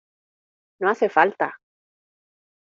no hace falta.